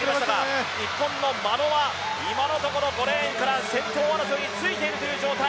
日本の眞野は今のところ５レーンから先頭争いについているという状態。